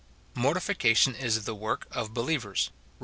Mortification is the work of believers : Rom.